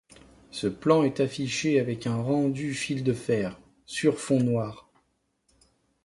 Ce plan est affiché avec un rendu fil-de-fer, sur fond noir.